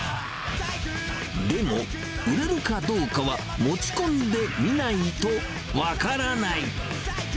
でも売れるかどうかは、持ち込んでみないと分からない。